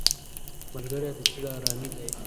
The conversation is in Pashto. ملګری د زړه آرامي دی